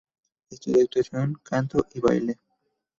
Estudió actuación, canto y baile.